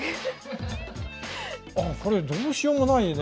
これどうしようもないね